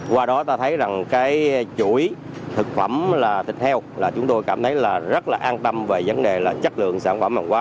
qua đó ta thấy rằng cái chuỗi thực phẩm là thịt heo là chúng tôi cảm thấy là rất là an tâm về vấn đề là chất lượng sản phẩm hàng quá